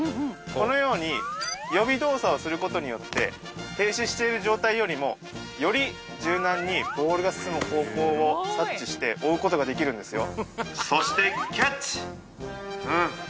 このように予備動作をすることによって停止している状態よりもより柔軟にボールが進む方向を察知して追うことができるんですよ